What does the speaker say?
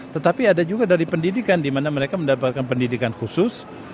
tetapi ada juga dari pendidikan di mana mereka mendapatkan pendidikan khusus